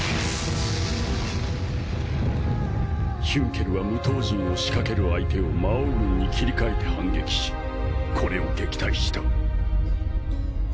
ヒュンケルは無刀陣をしかける相手を魔王軍に切り替えて反撃しこれを撃退した。